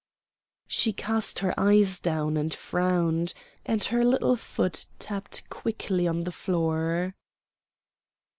She cast her eyes down and frowned, and her little foot tapped quickly on the floor.